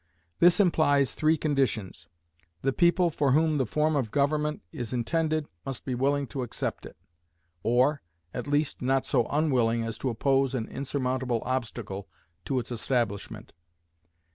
This implies three conditions. The people for whom the form of government is intended must be willing to accept it, or, at least not so unwilling as to oppose an insurmountable obstacle to its establishment.